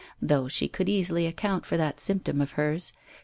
Though she could easily account for that symptom of hers.